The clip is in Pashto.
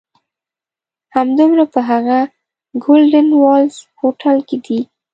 همدومره په هغه "ګولډن والز" هوټل کې دي.